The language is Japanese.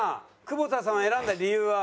久保田さんを選んだ理由は？